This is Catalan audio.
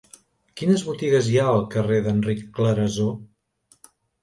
Quines botigues hi ha al carrer d'Enric Clarasó?